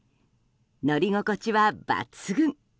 乗り心地は抜群。